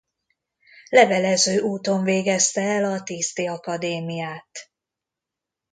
Levelező úton végezte el a tiszti akadémiát.